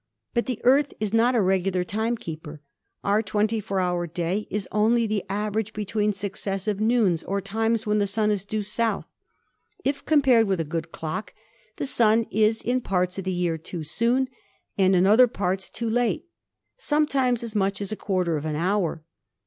But the Sun is not a regular timekeeper. Our twenty four hour day is only the average between suc cessive noons or times when the Sun is due south. If THE EARTH 155 compared with a good clock, the Sun is in parts of the year too soon and in other parts too late, sometimes as much as a quarter of an hour.